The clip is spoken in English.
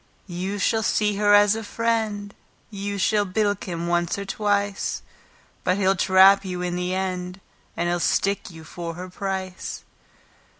You shall see her as a friend, You shall bilk him once and twice; But he'll trap you in the end, And he'll stick you for her price.